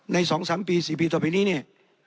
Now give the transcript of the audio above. ในสองสามปีสี่ปีต่อไปนี้เนี่ย